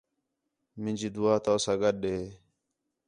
مینجی دُعا تَؤ ساں گݙ ہے